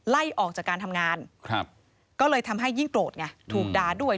ไล่ออกจากการทำงานครับก็เลยทำให้ยิ่งโกรธไงถูกด่าด้วย